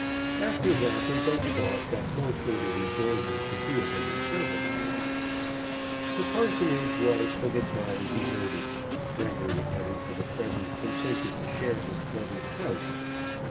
After that they both thought that no further rejoinder could be of any service. The parsonage was for the time deserted, Gregory having for the present consented to share his brother's house.